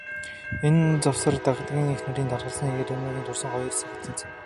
Энэ завсар, Дагданы эхнэрийн таргалсан, Цэрмаагийн турсан хоёр яг тэнцэнэ.